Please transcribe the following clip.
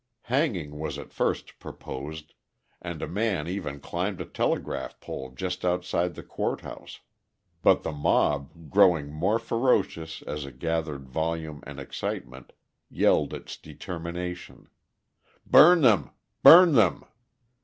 Hanging was at first proposed, and a man even climbed a telegraph pole just outside the court house, but the mob, growing more ferocious as it gathered volume and excitement, yelled its determination: "Burn them! burn them!"